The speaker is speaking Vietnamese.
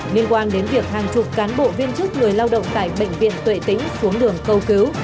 liên quan đến việc hàng chục cán bộ viên chức người lao động tại bệnh viện tuệ tĩnh xuống đường câu cứu